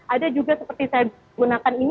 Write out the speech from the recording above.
ada juga seperti saya gunakan ini